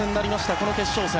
この決勝戦。